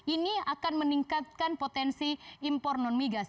ini akan meningkatkan potensi impor non migas